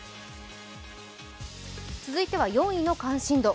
続いては４位の関心度。